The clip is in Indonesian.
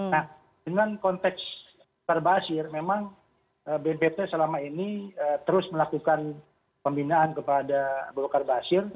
nah dengan konteks karbasir memang bnpt selama ini terus melakukan pembinaan kepada bnpt